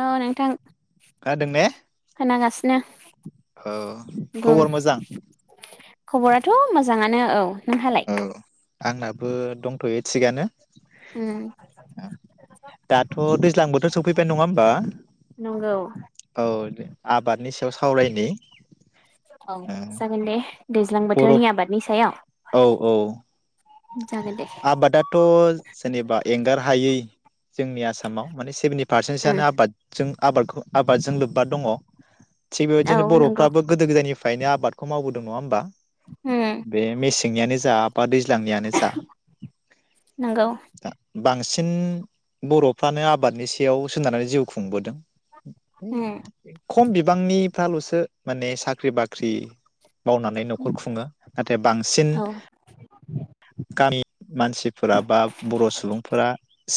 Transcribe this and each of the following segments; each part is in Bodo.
औ नोंथां। गादों ने। नांगासिनो। औ [inaudible] बुं खबर मोजां खबराथ मोजां नानो औ। नोंहालाय। औ आंनाबो दंथयो थिगानो। उम दाथ दैज्लां बोथोर सौहैबाय नङा होमबा नंगौ औ। आबादनि। सायाव सावरायनि औ ओ जागोन दे दैज्लां बर' बोथोरनि आबादनि सायाव औ औ जागोन दे। आबादाथ' जेनेबा एंगार हायै जोंनि आसामाव माने सेभेनथि फारसेन्स उम आनो आबादजों आबादखौ आबादजों लोब्बा दङ। थिग बे औ बायदिनो नंगौ बरफ्राबो गोदो गोदायनि फ्रायनो आबादखौ मावबोदों नङा होमबा? उम बे मे सेंनियानो जा बा दै ज्लांनियानो जा नंगौ जा बांसिन बर'फ्रानो आबादनि सायाव सोनारनानै जिउ खुंबोदों। उम खम बिबांनिफ्रालसो सो माने साख्रि बाख्रि मावनानै नखर खुङो नाथाय बांसिन औ गामि मानसिफोरा बा बर' सुबुंफोरा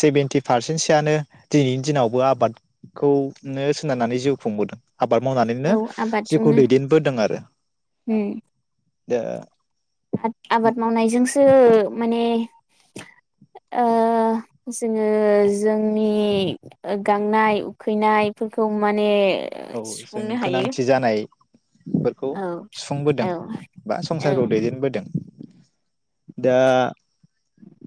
सेबेन्टि पारसेन्टसोआनो दिनैनि दिनावबो आबादखौनो सोनारनानै जिउ खुंबोदों। आबाद मावनानैनो औ जिउखौ आबादजोंनो दैदेनबोदों आरो दा फाथ आबाद मावनाय जोंसो माने ओ जोङो जोंनि गांनाय उखैनायफोरखौ माने औ जोंनि सुफुंनो हायो गोनांथि जानाय फोरखौ औ सुफुंबोदों औ बा औ संसारखौ दैदेनबोदों। दा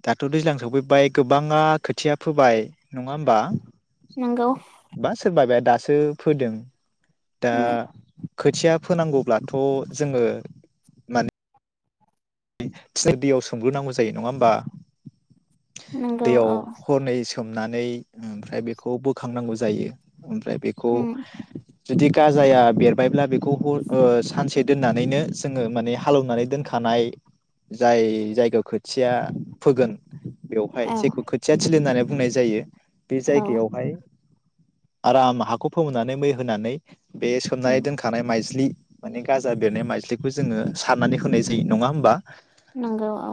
दाथ' दैज्लां सफैबाय गोबाङा खोथिया फोबाय नङा होमबा? नंगौ बा सोरबा बे दासो सो फोदों। दा उम खोथिया फोनांगौब्लाथ जोङो माने [unintelligible] दैयाव सोमग्रोनांगौ जा सै नङा होमबा? नंगौ दैयाव औ हरनै सोम नानै ओमफ्राय बेखौ बोखांनांगौ जायो। ओमफ्राय बेखौ उम जुदि गाजाया बेर बायब्ला बेखौ हर ओ सानसे दोननानैनो जोङो माने हालौनानै दोनखानाय, जाय जायखो थिया फोगोन बेवहाय औ जायखौ खोथिया थिलि होननानै बुंनाय जायो। बे औ जायगायावहाय आराम हाखौ फोमोननानै मै होनानै, बे सोमनानै दोनखानाय माइज्लि, माने गाजा बेरनाय माइज्लिखौ जोङो सारनानै होनाय जायो नङा होमबा, नंगौ औ।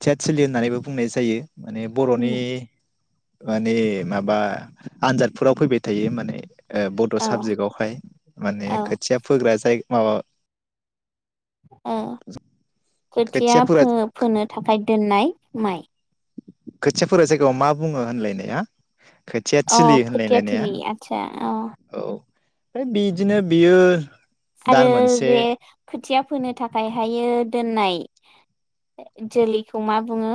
थिया थिलि होननानैबो बुंनाय जायो। माने बर'नि, माने माबा आनजादफोराव फैबाय थायो माने। बड औ साबजेक्टआवहाय माने औ खोथिया फोग्रा जाय माबा ओ खोथिया फो फोनो थाखाय दोननाय माइ, खोथियाफोरा जायगायाव मा बुङो? होनलायनाया, खोथिया अ थिलि खोथिया होनलायलायनाया थिलि आदसा अ, है बिदिनो बियो। दान आरो मोनसे रे खोथिया। फोनो थाखाय हायो दोननाय जोलैखौ मा बुङो?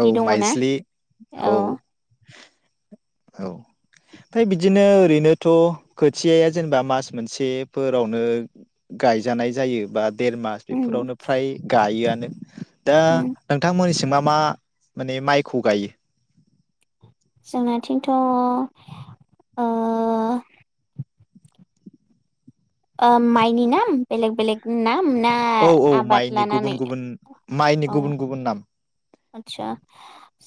औ दङ ना माइज्लि औ हौ, औ ओमफ्राय बिदिनो ओरैनोथ' खोथियाया जेनेबा मास मोनसेफोरावनो गायजानाय जायो बा। देर मास बेफोरावनो फ्राय। गायोआनो। दा नोंथांमोननिसि मा मा माने माइखौ गायो? जोंनिथिंथ' ओ - ओ माइनि नाम बेलेग बेलेग नाम। ना औ औ आबाद माइनि लानानै गुबुन गुबुन माइनि औ गुबुन गुबुन नाम। आदसा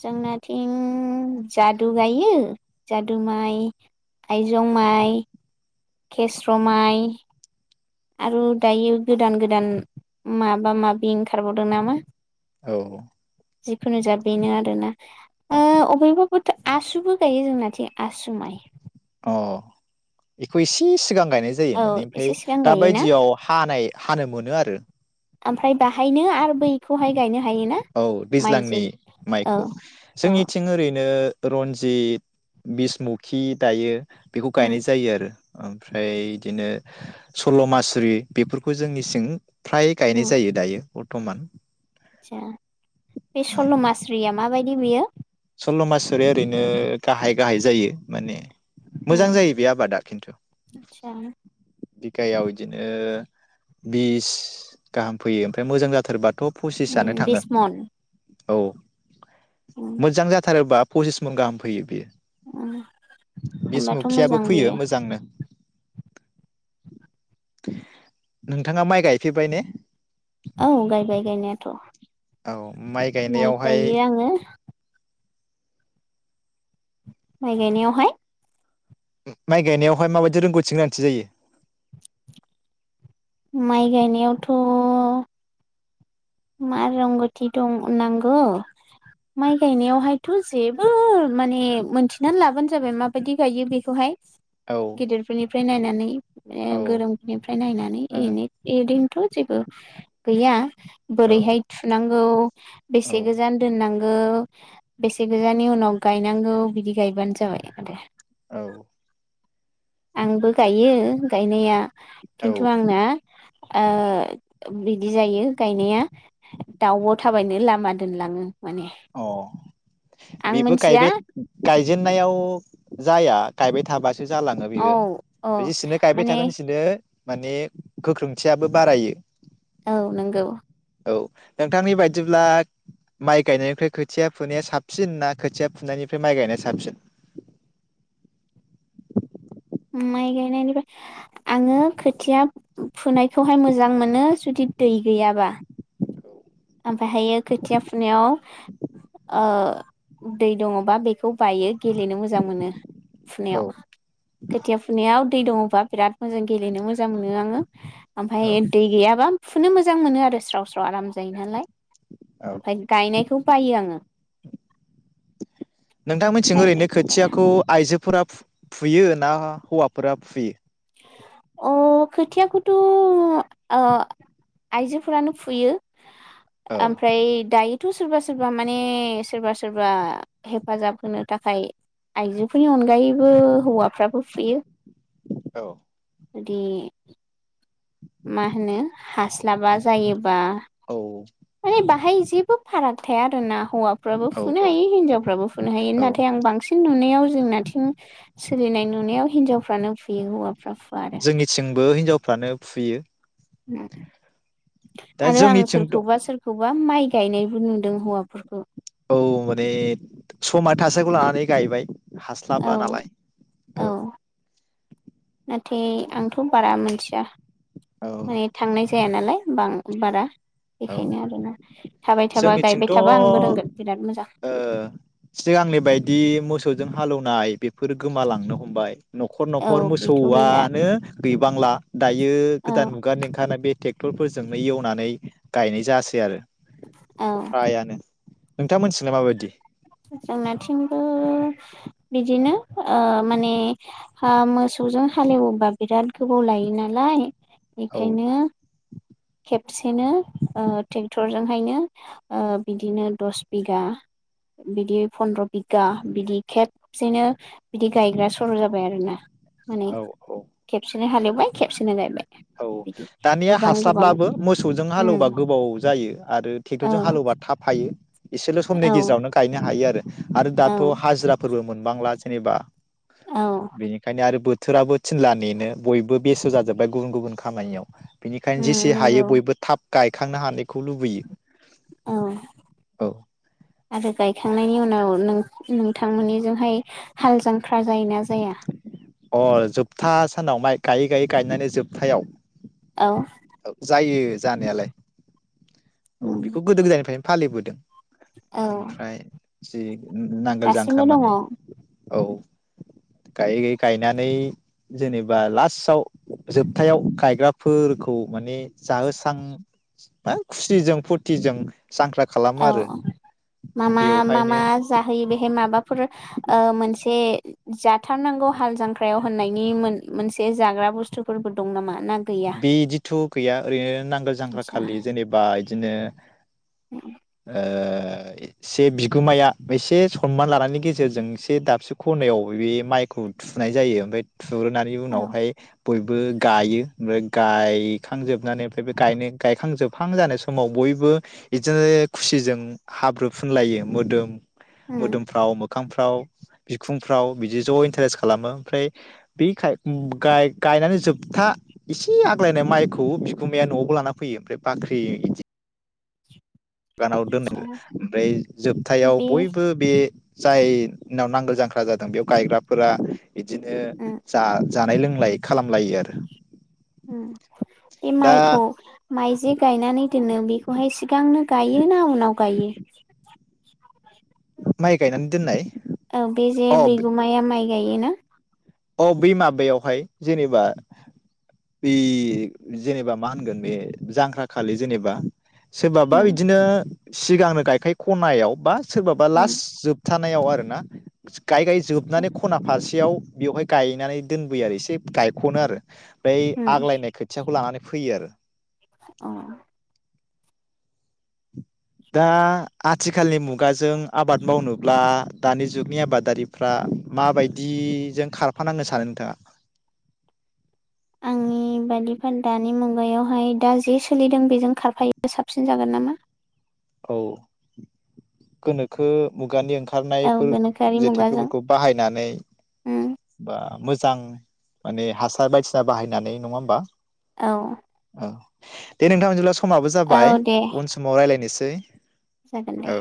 जोंनाथिं। जादु गायो। जादु माइ आइजं माइ खेस्र माइ। आरु दायो गोदान गोदान माबा माबि ओंखारबावदों नामा। औ। जिखुनु जा बेनो आरो ना। [unintelligible] आसुबो गायो जोंनाथि आसु माइ। अ एखौ इसे सिगां। गायनाय जायो औ मानि एसे सिगां [unintelligible] दा गायोना बायदियाव हानाय हानो मोनो आरो। ओमफ्राय बाहायनो आरो बैखौहाय गायनो। हायोना औ माइ दैज्लांनि जोलै औ माइखौ औ जोंनिथिं ओरैनो। रन्जित बिसमुखि दायो। बेखौ उम गायनाय जायो आरो। ओमफ्राय इदिनो सल्ल मासुरि बेफोरखौ जोंनि सिं फ्राय गायनाय जायो दायो बर्थमान आतसा बे सल्ल मास्रिया माबाय दि बियो। सल्ल मासुरिया ओरैनो गाहाय गाहाय जायो माने उम मोजां जायो बे आबादा खिन्थु। आदसा बिगायाव इदिनो बिस गाहाम फैयो ओमफ्राय मोजां जाथारबा थ फसिसानो उम थाङो। बिस मन औ। उम मोजां जाथारोबा पसिस मन गाहाम फैयो बेयो। उम होमबाथ' बिसमुखियाबो मोजां फैयो बेयो मोजांनो। नोंथाङा माइ गायफेरबाय ने? औ गायबाय गायनायाथ। औ माइ गायनायावहाय गायो आङो माइ गायनायावहाय उम माइ गायनायावहाय माबायदि रोंगौथि गोनांथि जायो? माइ गायनायावथ मा रोंगौथि दं नांगौ माइ गायनायावहायथ जेबो माने मोनथिनानै लाबानो जाबाय माबायदि गायो बेखौहाय। औ गेदेरफोरनिफ ओमफ्राय नायनानै। माने औ गोरोंफोरनिफ्राय नायनानै ओ इरैनो इदि थ जेबो गैया। औ बोरैहाय थुनां गौ। बेसे गोजान दोननां गौ बेसे गोजाननि उनाव गायनांगौ बिदि गायबानो जाबाय आरो औ आंबो गायो गायनाया औ खिन्थु आंना ओ बिदि जायो गायनाया दाउब थाबायनो लामा दोनलाङो माने अ आं बेबो मिथिया गायबाय गायजेननायाव जाया गायबाय थाबास जालाङो औ औ बिबो जिसिनो गायबाय माने थागोन इसिनो माने गोख्रोंथियाबो बारायो औ नंगौ औ नोंथांनि बायदिब्ला माइ गायनाय मफ्राय खोथिया फुनाया साबसिन ना खोथिया फुनायनिफ्राय माइ गायनाया साबसिन माइ गायनायनिफ्राय आङो खोथिया फुनायखौहाय मोजां मोनो जुदि दै गैयाब्ला ओमफ्रायहायो खोथिया फुनायाव दै दङबा बेखौ बायो गेलेनो मोजां मोनो फुनायाव औ खोथिया फुनायाव दै दङबा बिराद मोजां गेलेनो मोजां मोनो आङो औ ओमफाय दै गैयाबा फुनो मोजां मोनो आरो स्राव स्राव आराम जायोनालाय औ ओमफ्राय गायनायखौ बायो आङो नोंथांमोनथिं ओरैनो गायनायखौ गाया खोथियाखौ आइजो फोर फुयो ना हौवाफोरा फुयो अ खोथियाखौथ आइजोफोरानो फुयो औ ओमफ्राय दायो थ सोरबा सोरबा माने सोरबा सोरबा हेफाजाब होनो थाखाय आइजोफोरनि अनगायैबो हौवाफ्राबो फुयो औ बिदि मा होनो हास्लाबा जायो बा औ माने बाहाय जेबो फाराग थाया आरोना हौवाफ्राबो औ फुनो औ हायो हिनजावफ्राबो फुनो हायो औ नाथाय आं बांसिन नुनायाव जोंनाथिं सोलिनाय नुनायाव हिनजावफ्रानो बे हौवाफ्रा फुवा आरो फानो फुयो दा आरो आं जोंनिथिंथ' सोरखौबा सोरखौबा माइ गायनायबो नुदों हौवाफोरखौ। औ माने समा थासारिखौ लानानै गायबाय। औ हास्लाब्ला नालाय औ ओ नाथाय आंथ बारा मिथिया माने औ थांनाय जाया नालाय। बां बारा औ बेखायनो आरोना थाबाय थाबा गायबाय जोंनिथिंथ ओ थाबा आंबो रोंगोन बिराद मोजां सिगांनि बायदि मोसौजों हालौवनाय बे फोर गोमालांनो हमबाय। न'खर औ न'खर बेथ' गैला मोसौआनो गैबांला। दायो औ गोदान मुगा नोखानो बे टेक टेक्टरफोरजोंनो एवनानै गायनाय जायासै आरो औ फ्रायानो। नोंथां मोननिथिंलाय माबायदि? जोंनाथिंबो बिदिनो ओ माने हो मोसौजों हालेवोबा बिराद गोबाव लायो नालाय। औ बेखायनो खेबसेनो ओ टेक्टरजोंहायनो ओ बिदिनो दस बिगा बिदि फन्द्र बिगा बिदि खेबसेनो बिदि गायग्रा सर जाबाय आरोना। माने औ औ खेबसेनो हालेवबाय खेबसेनो गायबाय। औ बिदि दानिया गोबां गोबां हास्लााब्ला मोसौजों हालेवबा उम गोबाव जायो आरो औ टेक्टरजों हालेवबा थााब हायो। इसेल समनि औ गेजेरावनो गायनो हायो आरो आरो औ दाथ हाजिराफोरबो मोन बांला जेनेबा औ बेनिखायनो आरो बो बोथोराबो थिनला नेनो बयबो बेस्थ जाजोब्बाय गुबुन गुबुन खामानियाव। बिनिखायनो उम जेसे हायो नंगौ बयबो थाब गायखांनो हानिख औ आरो गायखांनायनि उन उनाव नों नोंथां मोननिजोंहाय हाल जांख्रा जाय ना जाया? अ जोबथा सानाव माइ गायै गायै गायनानै जोबथायाव औ जायो। जानायालाय। औ उम बेखौ गोदो गोदायनिफ्रायनो फालिबोदों। औ ओमफ्राय जि नांगोल जांख्रा दासिमबो दङ माने औ गायै गायै गायनानै जेनेबा लास्टआव जोबथायाव गायग्राफोरखौ माने जाहोस्रां खुसिजों फुरथिजों जांख्रा औ खालामो आरो मा मा मा मा बेवहायनो जाहोयो बेहाय माबाफोर मोनसे जाथारनांगौ हाल जांख्रायाव होननायनि मोन मोनसे जाग्रा बुस्थुफोरबो दं नामा? ना गैया बिदिथ गैया ओरैनो नांगोल जांग्रा आतसा खालि जेनेबा बिदिनो ओ ओ एसे बिगोमाया एसे सनमान लानायनि गेजेरजों एसे दाबसे खनायाव बे माइखौ थुनाय जायो ओमफाय [unintelligible] औ उनावहाय बयबो गायो ओ गायखांजोबनानै ओमफ्राय बे गायनाय गायखांजोबहां जानाय समाव बयबो इदिनो खुसिजों हाब्रु फुनलायो मोदोम उम मोदोमफ्राव मो मोखांफ्राव बिखुंफ्राव बिदि ज इन्टारेस्ट खालामो ओमफ्राय बेखाय गाय गायनानै जोबथा इसे आग्लायनाय माइखौ बिगुमाया नआवबो लाना फैयो ओमफ्राय बाख्रि इदि गानाव दोन आतसा हरोओमफ्राय जोबथायाव बे बयबो बे जाय नाव नांगोल जांख्रा जादों बेयाव गायग्राफोरा इदिनो उम जा जानाय लोंलाय खालामलायो आरो होम बे दा माइखौ माइ जे गायनानै दोनो बेखौहाय सिगांनो गायो ना उनाव गायो? माइ गायनानै दोननाय औ बेजे अ बिगुमाया माइ गायो ना अ बै माबायावहाय जेनेबा बि जेनेबा मा होनगोन बे जांख्राखालि जेनेबा सोरबाबा उम बिदिनो सिगांनो गायखाय खनायाव बास सोरबाबा उम लास जोबथानायाव आरो ना गायै गायै जोबनानै खनाफारसि बेयाव बेवहाय गायनानै दोनबोयो आरो एसे गायखनो आरो ओइ उम आग्लायनाय खोथियाखौ लानानै फैयो आरो अ दा आथिखालनि मुगाजों आबाद मावनोब्ला दानि जुगनि आबादारिफ्रा माबायदि-जों खारफानांगोन सानो नोंथाङा होन दानि मुगायावहाय दा जि सोलिदों बेजों खारफायो साबसिन जागोन नामा औ गोनोखो मुगानि ओंखा औ थारनायफोर गोनोखोआरि मुगाजों जेथिखोफोरखौ बाहायनानै उम बा मोजां माने हासार बायदिसिना बाहायनानै नङा होमबा औ दे नोंथां [unintelligible] खमाबो जाबाय औ दे उन समाव रायलायनोसै दै जागोन दे